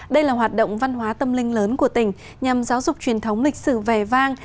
đây là hoạt động văn hóa tâm linh lớn của tỉnh nhằm giáo dục truyền thống lịch sử vẻ vang